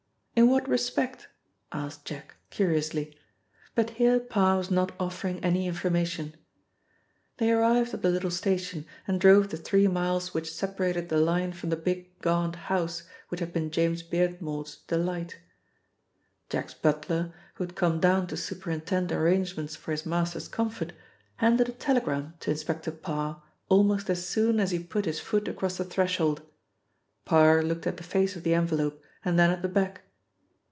In what respect?" asked Jack curiously, but here Parr was not offering any information. They arrived at the little station and drove the three miles which separated the line from the big gaunt house which had been James Beardmore's delight. Jack's butler, who had come down to superintend arrangements for his master's comfort, handed a telegram to Inspector Parr almost as soon as he put his foot across the threshold. Parr looked at the face of the envelope and then at the back.